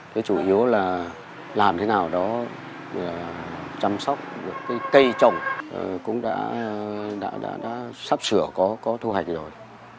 thứ chủ yếu là làm thế nào đó chăm sóc cây trồng cũng đã sắp sửa có thu hạch rồi